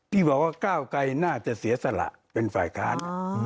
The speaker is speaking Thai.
ที่บอกว่าก้าวไกรน่าจะเสียสละเป็นฝ่ายค้าน